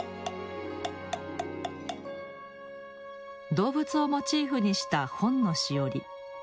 動物をモチーフにした本のしおり。